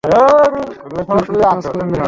তুই শুধু কাজ করবি?